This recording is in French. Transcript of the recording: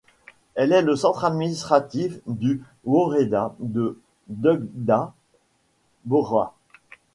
Elle est le centre administratif du woreda de Dugda Bora.